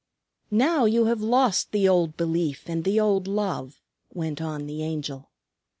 "Now you have lost the old belief and the old love," went on the Angel.